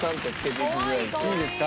いいですか？